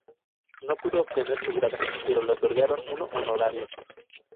No pudo obtener su grado, pero le otorgaron uno honorario.